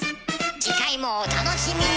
次回もお楽しみに！